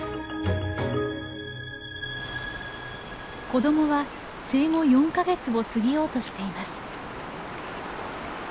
子どもは生後４か月を過ぎようとしています。